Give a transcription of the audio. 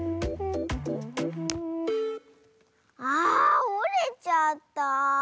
あおれちゃった。